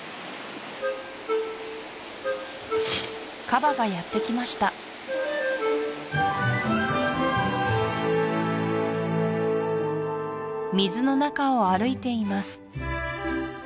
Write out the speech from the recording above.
カバがやってきました水の中を歩いています